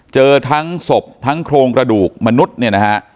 เจอทั้งศพทั้งโครงกระดูกมนุษย์เนี่ยนะฮะ